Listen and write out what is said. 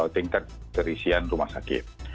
tingkat terisian rumah sakit